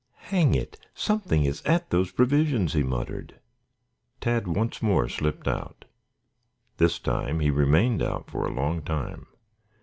"Hang it! Something is at those provisions," he muttered. Tad once more slipped out. This time he remained out for a long time.